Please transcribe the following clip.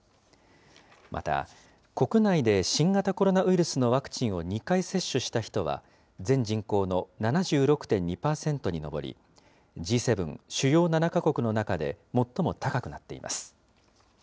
また国内で新型コロナウイルスのワクチンを２回接種した人は、全人口の７６．２％に上り、Ｇ７・主要７か国の中で最も高くなっています。